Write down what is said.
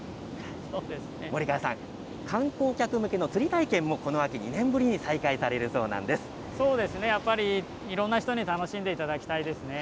森川さん、観光客向けの釣り体験も、この秋２年ぶりに再開されるそうなんでそうですね、やっぱり、いろんな人に楽しんでいただきたいですね。